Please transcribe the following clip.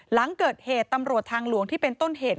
หลังเกิดเหตุตำรวจทางหลวงที่เป็นต้นเหตุ